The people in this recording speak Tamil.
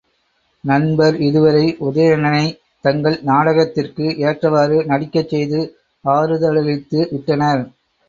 நண்பர் இதுவரை உதயணனைத் தங்கள் நாடகத் திற்கு ஏற்றவாறு நடிக்கச் செய்து ஆறுதலளித்து விட்டனர்.